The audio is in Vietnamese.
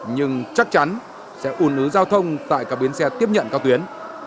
nhưng chắc chắn sẽ ủn ứ giao thông tại các bến xe tiếp nhận các tuyến